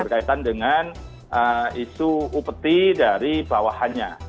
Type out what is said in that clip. berkaitan dengan isu upeti dari bawahannya